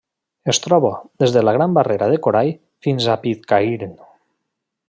Es troba des de la Gran Barrera de Corall fins a Pitcairn.